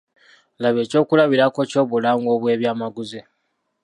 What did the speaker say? Laba ekyokulabirako ky’obulango obw’ebyamaguzi.